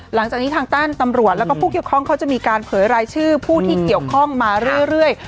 หลังจากนี้ทางด้านตำรวจแล้วก็ผู้เกี่ยวข้องเขาจะมีการเผยรายชื่อผู้ที่เกี่ยวข้องมาเรื่อย